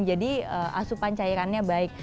jadi asupan cairannya baik